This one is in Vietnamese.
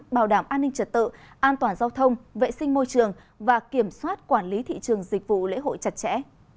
bảo đảm an ninh trật tự an toàn giao thông vệ sinh môi trường và kiểm soát quản lý thị trường dịch vụ lễ hội chặt chẽ